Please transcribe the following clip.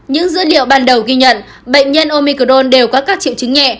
những dữ liệu ban đầu ghi nhận bệnh nhân omicrone đều có các triệu chứng nhẹ